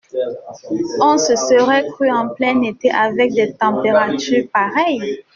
On se serait cru en plein été avec des températures pareilles.